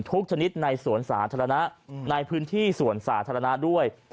ชนิดในสวนสาธารณะในพื้นที่สวนสาธารณะด้วย